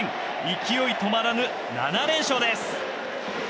勢い止まらぬ７連勝です。